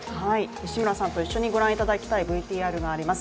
西村さんと一緒にご覧いただきたいＶＴＲがあります。